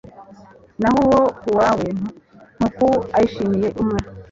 Naho uwo ku wawe ntuku ayishimiye umwe.